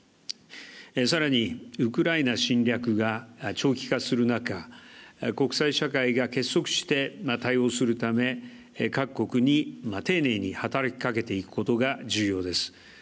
さらに、ウクライナ侵略が長期化する中国際社会が結束して対応するため、各国に丁寧に働きかけていくことが重要です。